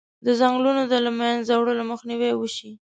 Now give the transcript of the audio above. د ځنګلونو د له منځه وړلو مخنیوی وشي.